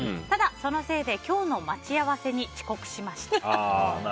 ただそのせいで今日の待ち合わせに遅刻しました。